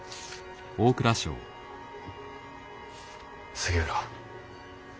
杉浦。